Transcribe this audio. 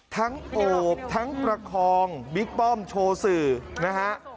โอบทั้งประคองบิ๊กป้อมโชว์สื่อนะฮะ